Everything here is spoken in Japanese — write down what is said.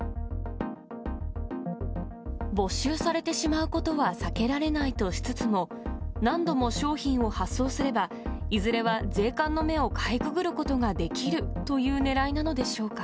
没収されてしまうことは避けられないとしつつも、何度も商品を発送すれば、いずれは税関の目をかいくぐることができるというねらいなのでしょうか。